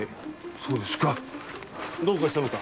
そうですか。